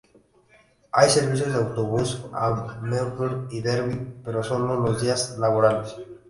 Hay servicio de autobús a Melbourne y Derby, pero sólo los días laborables.